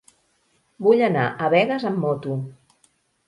Vull anar a Begues amb moto.